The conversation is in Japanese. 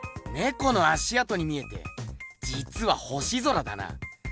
この足あとに見えてじつは星空だな。